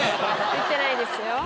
言ってないですよ。